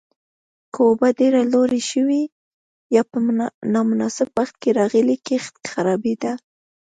که اوبه ډېره لوړې شوې یا په نامناسب وخت کې راغلې، کښت خرابېده.